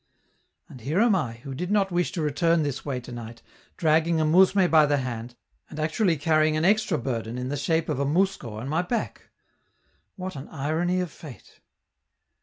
And here am I, who did not wish to return this way tonight, dragging a mousme by the hand, and actually carrying an extra burden in the shape of a mousko on my back. What an irony of fate!